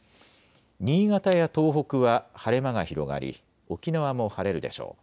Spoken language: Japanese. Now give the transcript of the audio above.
新潟や東北は晴れ間が広がり沖縄も晴れるでしょう。